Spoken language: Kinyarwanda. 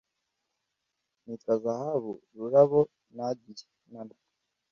nitwa zahabu rurabo nadiya(nana)